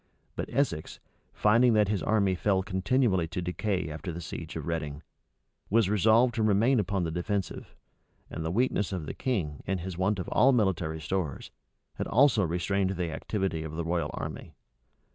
But Essex, finding that his army fell continually to decay after the siege of Reading, was resolved to remain upon the defensive; and the weakness of the king, and his want of all military stores, had also restrained the activity of the royal army.